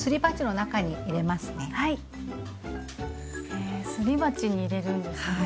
へえすり鉢に入れるんですね。